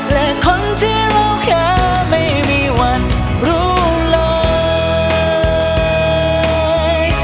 และคนที่รู้แค่ไม่มีวันรู้เลย